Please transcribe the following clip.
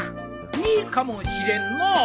いいかもしれんのう。